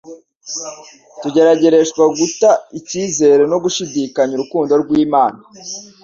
Tugeragereshwa guta icyizere no gushidikanya urukundo rw'Imana.